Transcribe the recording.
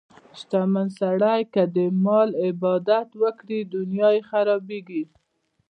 شتمن سړی که د مال عبادت وکړي، دنیا یې خرابېږي.